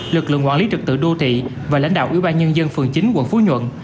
lực lượng quản lý trật tự đô thị và lãnh đạo ủy ban nhân dân phường chín quận phú nhuận